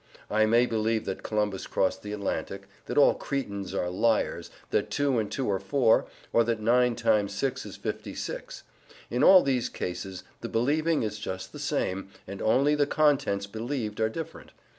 I may believe that Columbus crossed the Atlantic, that all Cretans are liars, that two and two are four, or that nine times six is fifty six; in all these cases the believing is just the same, and only the contents believed are different.